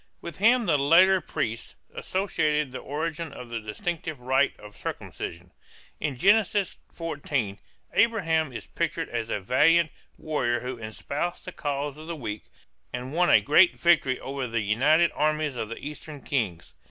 With him the later priests associated the origin of the distinctive rite of circumcision. In Genesis 14 Abraham is pictured as a valiant warrior who espoused the cause of the weak and won a great victory over the united armies of the Eastern kings.